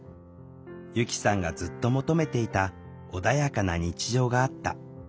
由希さんがずっと求めていた穏やかな日常があった。